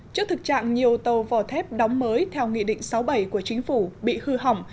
trước thực trạng nhiều tàu vỏ thép đóng mới theo nghị định sáu bảy của chính phủ bị hư hỏng